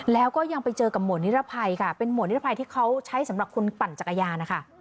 แล้วก็ยังไปเจอกับหมวดนิรภัยค่ะเป็นหวนนิรภัยที่เขาใช้สำหรับคุณปั่นจักรยานนะคะ